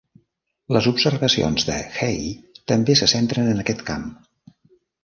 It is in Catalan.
Les observacions de Hey també se centren en aquest camp.